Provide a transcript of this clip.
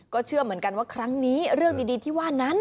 เชื่อเหมือนกันว่าครั้งนี้เรื่องดีที่ว่านั้น